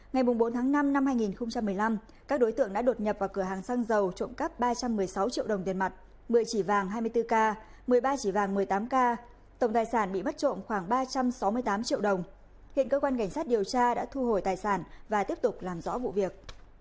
ngày bốn tháng năm năm hai nghìn một mươi năm các đối tượng đã đột nhập vào cửa hàng xăng dầu trộm cắp ba trăm một mươi sáu triệu đồng tiền mặt một mươi chỉ vàng hai mươi bốn k một mươi ba chỉ vàng một mươi tám k tổng tài sản bị bắt trộm khoảng ba trăm sáu mươi tám triệu đồng hiện cơ quan cảnh sát điều tra đã thu hồi tài sản và tiếp tục làm rõ vụ việc